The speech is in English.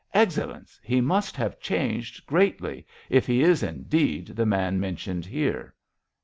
"Excellenz, he must have changed greatly, if he is, indeed, the man mentioned here!"